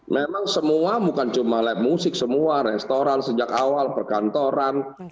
memang semua bukan cuma lab musik semua restoran sejak awal perkantoran